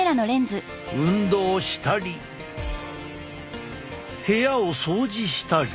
運動したり部屋を掃除したり。